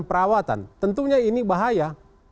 perawatan tentunya ini bahaya